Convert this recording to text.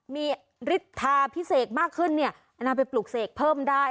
มีฤทธาพิเศษมากขึ้นเนี่ยนำไปปลูกเสกเพิ่มได้